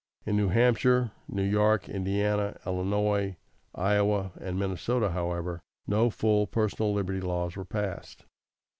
In New Hampshire, New York, Indiana, Illinois, Iowa, and Minnesota, however, no full personal liberty laws were passed.